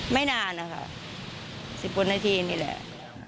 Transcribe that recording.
ไม่นานอะค่ะสิบขวัญนาทีนี้แหละ